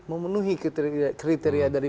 memenuhi kriteria dari